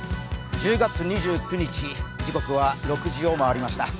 １０月２９日、自国は６時を回りました。